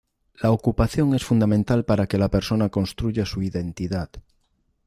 La ocupación es fundamental para que la persona construya su identidad.